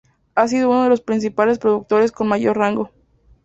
Ha sido uno de los principales productores con mayor rango.